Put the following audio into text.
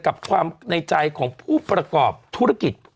กับความในใจของผู้ประกอบธุรกิจ